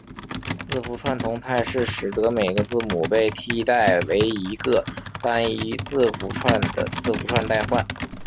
字符串同态是使得每个字母被替代为一个单一字符串的字符串代换。